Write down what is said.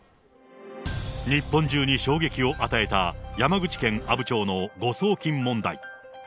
日本中に衝撃を与えた、山口県阿武町の誤送金問題。